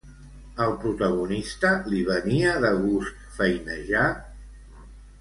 Al protagonista li venia de gust feinejar?